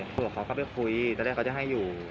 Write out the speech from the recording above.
คุยกับเขาก็ไปคุยตอนแรกเขาจะให้อยู่